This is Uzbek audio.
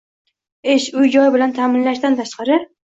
ish, uy-joy bilan ta’minlashdan tashqari